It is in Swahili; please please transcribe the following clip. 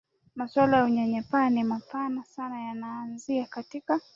maswala ya unyanyapa ni mapana sana yananzia katika